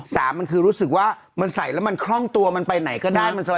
สามมันคือรู้สึกว่ามันใส่แล้วมันคล่องตัวมันไปไหนก็ได้มันซอย